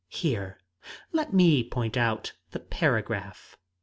"Here let me point out the paragraph."